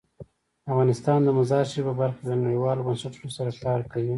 افغانستان د مزارشریف په برخه کې له نړیوالو بنسټونو سره کار کوي.